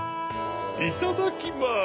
いただきます。